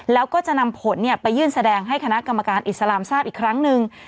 แล้วก็จะนำผลไปยื่นแสดงให้คณะกรรมการอิสลามทราบอีกครั้งหนึ่ง